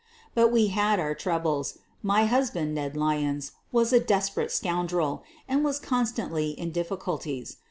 But we had our troubles. My husband, Ned Ly ons, was a desperate scoundrel, and was constantly in difficulties.